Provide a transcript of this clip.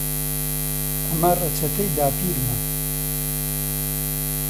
ئەمە ڕەچەتەی داپیرمە.